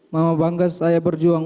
mama bangga saya berjuang